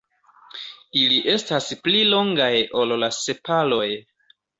Ili estas pli longaj ol la sepaloj.